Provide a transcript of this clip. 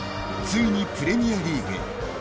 ついにプレミアリーグへ。